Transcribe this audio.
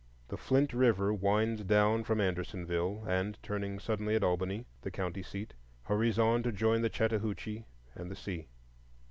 The Flint River winds down from Andersonville, and, turning suddenly at Albany, the county seat, hurries on to join the Chattahoochee and the sea.